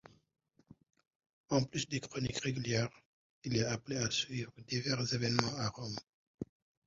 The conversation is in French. En plus de chroniques régulières, il est appelé à suivre divers événements à Rome.